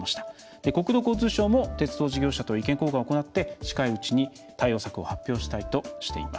国土交通省も鉄道事業者と意見交換を行って、近いうちに対応策を発表したいとしています。